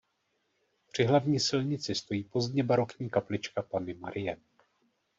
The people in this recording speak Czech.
Při hlavní silnici stojí pozdně barokní kaplička Panny Marie.